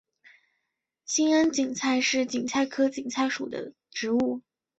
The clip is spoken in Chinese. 兴安堇菜是堇菜科堇菜属的植物。